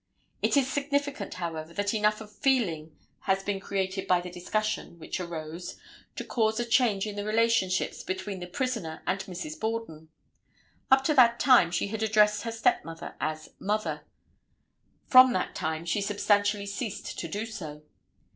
It is significant, however, that enough of feeling has been created by the discussion which arose to cause a change in the relations between the prisoner and Mrs. Borden. Up to that time she had addressed her stepmother as "mother." From that time she substantially ceased to do so.